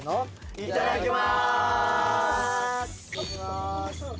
いただきまーす！